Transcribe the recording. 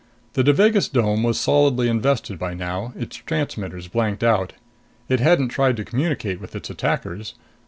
The Devagas dome was solidly invested by now, its transmitters blanked out. It hadn't tried to communicate with its attackers.